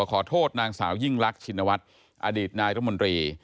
ขอโทษนางสาวยิ่งลักษณ์ชินวัตรอดีตนายต้องมนตรี